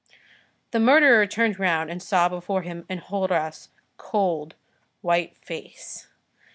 The murderer turned round and saw before him Enjolras' cold, white face.